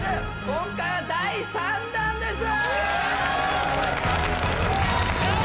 今回は第３弾です